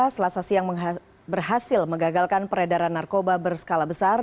selasa siang berhasil mengagalkan peredaran narkoba berskala besar